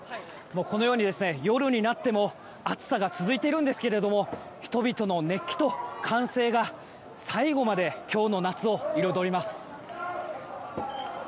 このように、夜になっても暑さが続いているんですけれども人々の熱気と歓声が最後まで今日の夏を彩ります。